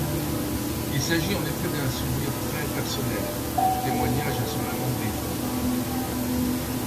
Il s’agit en effet d’un souvenir très personnel, témoignage à son amant défunt.